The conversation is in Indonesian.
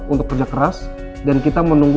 untuk kerja keras dan kita menunggu